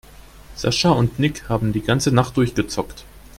Sascha und Nick haben die ganze Nacht durchgezockt.